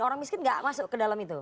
orang miskin nggak masuk ke dalam itu